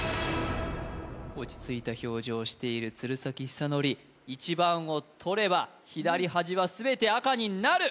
落ち着いた表情をしている鶴崎修功１番を取れば左端は全て赤になる！